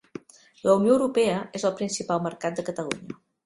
La Unió Europea és el principal mercat de Catalunya.